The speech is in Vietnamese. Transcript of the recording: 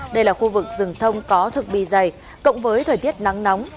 đây là khu vực rừng thông có thực bì dày cộng với thời tiết nắng nóng